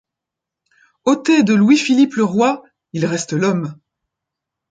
Ôtez de Louis-Philippe le roi, il reste l’homme.